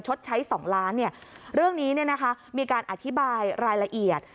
ชดใช้๒ล้านเนี่ยเรื่องนี้เนี่ยนะคะมีการอธิบายรายละเอียด